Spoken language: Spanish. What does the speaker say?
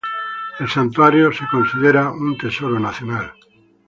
El santuario es considerado un Tesoro Nacional.